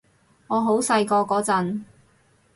我好細個嗰陣